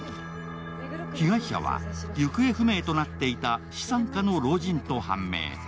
被害者は行方不明となっていた資産家の老人と判明。